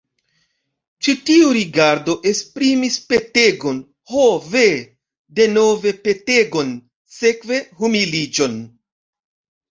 Ĉi tiu rigardo esprimis petegon, ho ve, denove petegon, sekve humiliĝon!